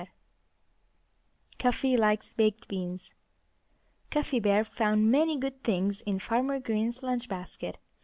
XIV CUFFY LIKES BAKED BEANS Cuffy Bear found many good things in Farmer Green's lunch basket.